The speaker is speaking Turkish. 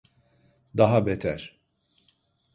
Daha beter.